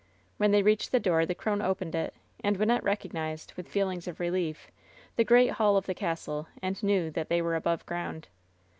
When they reached the door the crone opened it, and Wynnette recognized, with feelings of relief, the great hall of the castle, and knew that they were above ground.